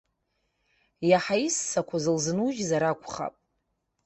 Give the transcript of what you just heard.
Иаҳа иссақәаз лзынужьзар акәхап?